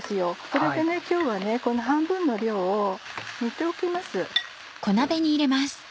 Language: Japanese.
それで今日はこの半分の量を煮ておきます。